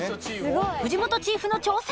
すごい！藤本チーフの挑戦！